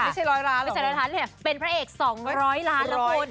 ไม่ใช่ร้อยล้านเหรอเป็นพระเอกสองร้อยล้านแล้วคุณ